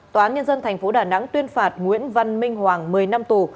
tòa án nhân dân tp đà nẵng tuyên phạt nguyễn văn minh hoàng một mươi năm tù